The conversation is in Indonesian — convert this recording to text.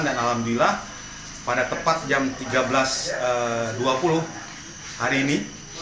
dan alhamdulillah pada tepat jam tiga belas dua puluh hari ini